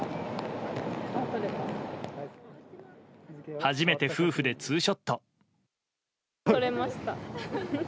初めて夫婦でツーショット。